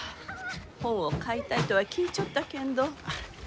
本を買いたいとは聞いちょったけんど。